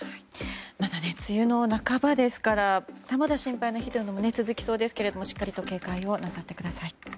まだ梅雨の半ばですからまだまだ心配な日が続きそうですけどもしっかりと警戒をなさってください。